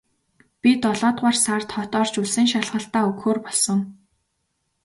Би долоодугаар сард хот орж улсын шалгалтаа өгөхөөр болсон.